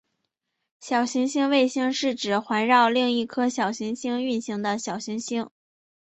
小行星卫星是指环绕另一颗小行星运行的小行星。